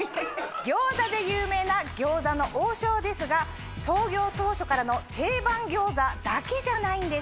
餃子で有名な餃子の王将ですが創業当初からの定番餃子だけじゃないんです。